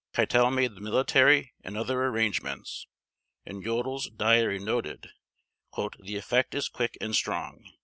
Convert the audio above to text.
Keitel made the military and other arrangements, and Jodl's diary noted "the effect is quick and strong."